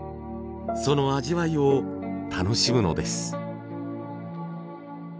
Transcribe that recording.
その味わいを楽しむのです。